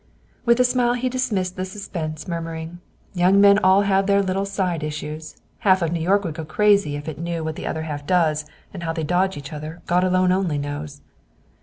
With a smile he dismissed the suspense, murmuring "Young men all have their little 'side issues.' Half New York would go crazy if it knew what the other half does, and how they dodge each other, God alone knows."